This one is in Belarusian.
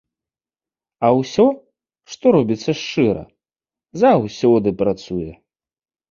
А ўсё, што робіцца шчыра, заўсёды працуе.